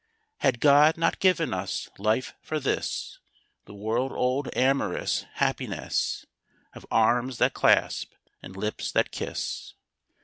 Had God not given us life for this? The world old, amorous happiness Of arms that clasp, and lips that kiss.